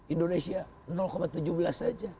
indonesia tujuh belas saja